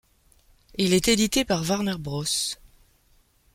Il est édité par Warner Bros.